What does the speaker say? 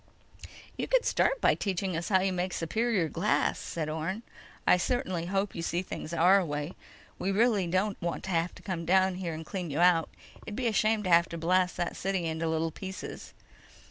"You could start by teaching us how you make superior glass," said Orne. "I certainly hope you see things our way. We really don't want to have to come down there and clean you out. It'd be a shame to have to blast that city into little pieces."